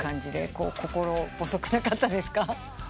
心細くなかったですか？